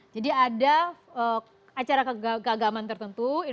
jadi ada acara keagaman tertentu